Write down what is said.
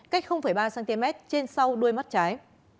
cách ba cm trên sau đuôi mắt trái